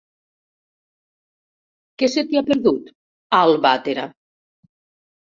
Què se t'hi ha perdut, a Albatera?